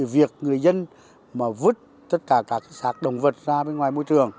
việc người dân vứt tất cả các sạc động vật ra bên ngoài môi trường